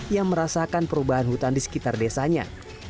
yang merasakan perubahan hutan di sekitar desanya